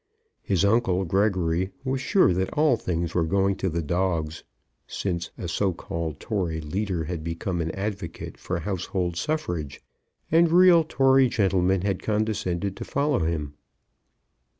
His uncle, Gregory, was sure that all things were going to the dogs, since a so called Tory leader had become an advocate for household suffrage, and real Tory gentlemen had condescended to follow him.